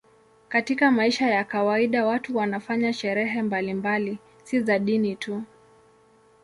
Katika maisha ya kawaida watu wanafanya sherehe mbalimbali, si za dini tu.